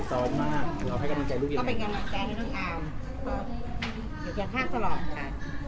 อยู่แค่ท่าสลอดค่ะ